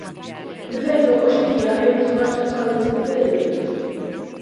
De feito, hoxe en día é o principal responsable deste tipo de delitos.